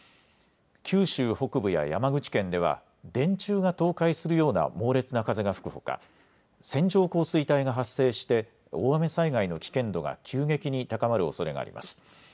九州北部や山口県では電柱が倒壊するような猛烈な風が吹くほか線状降水帯が発生して大雨災害の危険度が急激に高まるおそれがあります。